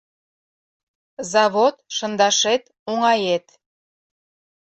Завод шындашет оҥает.